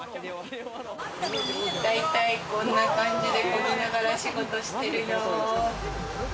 大体こんな感じでこぎながら仕事してるよ。